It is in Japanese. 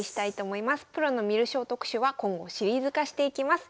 プロの観る将特集は今後シリーズ化していきます。